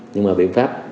nhưng mà biện pháp